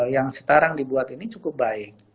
yang sekarang dibuat ini cukup baik